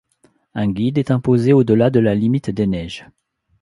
Un guide est imposé au-delà de la limite des neiges.